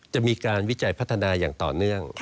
จะมีการวิจัยพัฒนาอย่างต่อเนื่อง